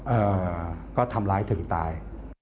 เอ่อก็ทำร้ายถึงตาย